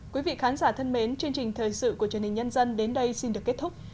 quý vị khán giả thân mến chương trình thời sự của truyền hình nhân dân đến đây xin được kết thúc